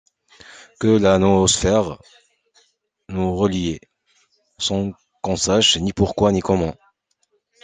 Que la noosphère nous reliait, sans qu’on sache ni pourquoi ni comment.